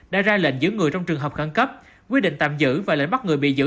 đã ra lệnh giữ người trong trường hợp khẳng cấp quy định tạm giữ và lệnh bắt người bị giữ